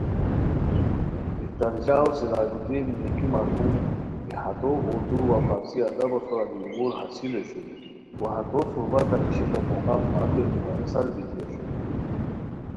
مہتر ژاؤ سراج الدین میکی مرحوم کی ہتو اردو وا فارسی ادبو سورا دی عبور حاصل اوشوئے وا ہتو صحبتہ نیشیکو موقعہ متے میسر بیتی اوشوئے